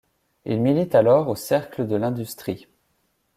Il milite alors au cercle de l'Industrie.